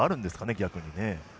逆に。